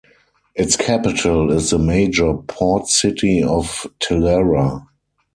Its capital is the major port city of Talara.